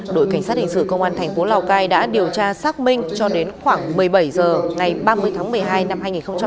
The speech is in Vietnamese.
đội cảnh sát hình sự công an thành phố lào cai đã điều tra xác minh cho đến khoảng một mươi bảy h ngày ba mươi tháng một mươi hai năm hai nghìn hai mươi ba